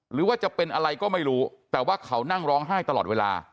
หรือว่าจะเป็นอะไรก็ไม่รู้แต่ว่าเขานั่งร้องไห้ตลอดเวลา